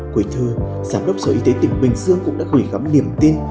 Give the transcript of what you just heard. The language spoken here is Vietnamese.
quỳ thư giám đốc sở y tế tỉnh bình dương cũng đã gửi gắm niềm tin